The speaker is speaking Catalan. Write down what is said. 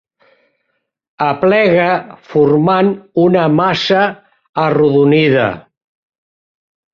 Aplega formant una massa arrodonida.